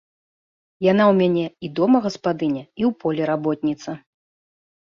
Яна ў мяне і дома гаспадыня і ў полі работніца.